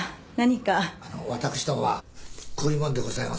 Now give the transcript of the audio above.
あのう私どもはこういう者でございます。